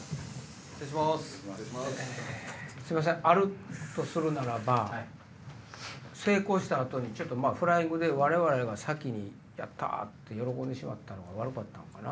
すいませんあるとするならば成功した後にフライングで我々が先にやった！と喜んでしまったのが悪かったんかな。